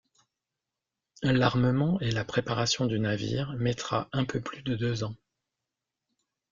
L'armement et la préparation du navire mettra un peu plus de deux ans.